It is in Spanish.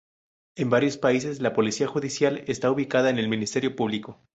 En varios países, la policía judicial está ubicada en el Ministerio Público.